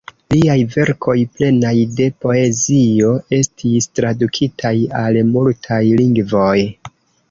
Liaj verkoj, plenaj de poezio, estis tradukitaj al multaj lingvoj.